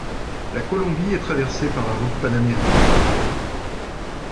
La Colombie est traversée par la route panaméricaine.